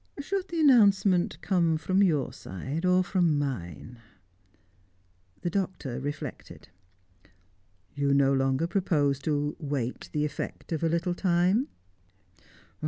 Should the announcement come from your side or from mine?" The Doctor reflected. "You no longer propose to wait the effect of a little time?"